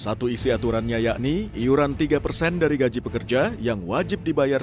masih terima kasih pak